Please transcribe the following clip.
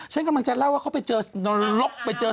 ฉันกำลังจะเล่าว่าเขาไปเจอนรกไปเจอสวรรค์มาแล้วเถอะนะครับเชิญ